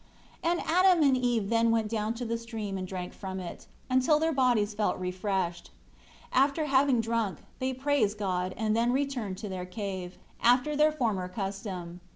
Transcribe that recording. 4 Adam and Eve then went down to the stream and drank from it, until their bodies felt refreshed. After having drunk, they praised God, and then returned to their cave, after their former custom.